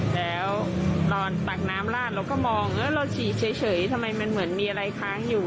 แล้วนอนตักน้ำลาดเราก็มองเราฉีดเฉยทำไมมันเหมือนมีอะไรค้างอยู่